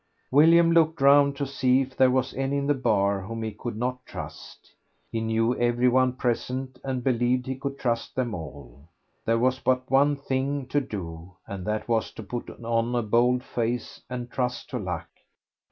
William looked round to see if there was any in the bar whom he could not trust. He knew everyone present, and believed he could trust them all. There was but one thing to do, and that was to put on a bold face and trust to luck.